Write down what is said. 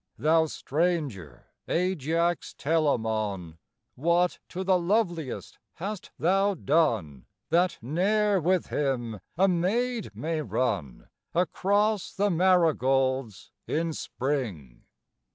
Thou stranger Ajax Telamon! What to the loveliest hast thou done, That ne'er with him a maid may run Across the marigolds in spring?